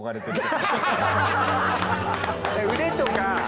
腕とか。